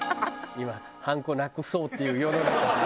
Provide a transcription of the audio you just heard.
今判子をなくそうっていう世の中で。